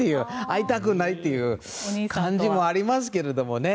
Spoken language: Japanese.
会いたくないという感じもありますけどね